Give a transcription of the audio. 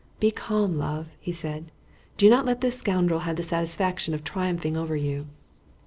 "Be calm, love!" he said. "Do not let this scoundrel have the satisfaction of triumphing over you."